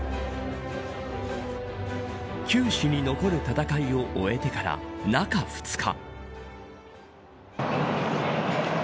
球史に残る戦いを終えてから中２日。